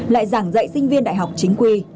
lại giảng dạy sinh viên đại học chính quy